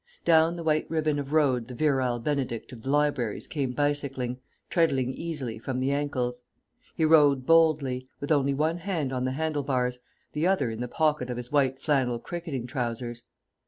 Down the white ribbon of road the Virile Benedict of the Libraries came bicycling, treadling easily from the ankles. He rode boldly, with only one hand on the handle bars, the other in the pocket of his white flannel cricketing trousers.